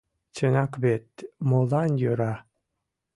Чынак вет, молан йӧра